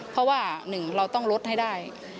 เพราะว่าหนึ่งเราต้องลดให้ได้